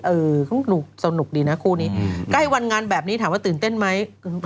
สนุกดีนะคู่นี้ใกล้วันงานแบบนี้ถามว่าตื่นเต้นไหม